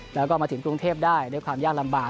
แล้วก็มาถึงกรุงเทพได้ด้วยความยากลำบาก